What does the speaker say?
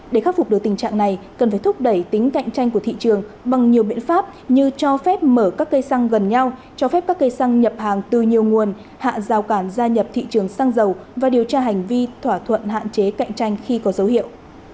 để khắc phục được tình trạng này cần phải thúc đẩy tính cạnh tranh của thị trường bằng nhiều biện pháp như cho phép mở các cây xăng gần nhau cho phép các cây xăng nhập hàng từ nhiều nguồn hạ rào cản gia nhập thị trường xăng dầu và điều tra hành vi thỏa thuận hạn chế cạnh tranh khi có dấu hiệu